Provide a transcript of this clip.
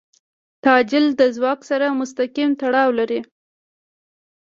تعجیل د ځواک سره مستقیم تړاو لري.